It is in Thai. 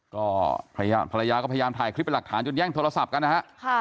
ก็ภรรยาก็พยายามถ่ายคลิปเป็นหลักฐานจนแย่งโทรศัพท์กันนะฮะ